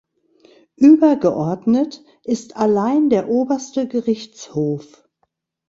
Übergeordnet ist allein der Oberste Gerichtshof.